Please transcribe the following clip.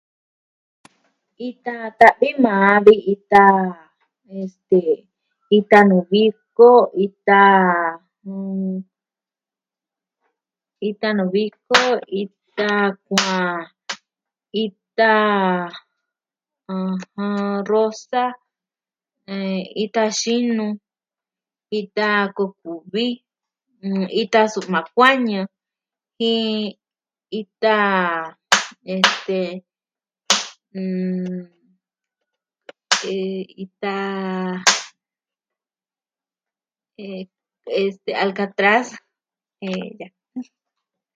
ita ta'vi maa vi ita, este... ita nuu viko, ita... jɨn... ita nuu viko, ita kuaan, ita... ɨjɨn... rosa, eh... ita xinu, ita koku'vi, jin ita... este... mm... este, alcatras.